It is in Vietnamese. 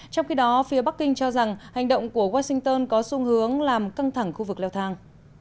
trong khi đó phía bắc kinh cho rằng hành động của washington có xu hướng làm căng thẳng khu vực leo thang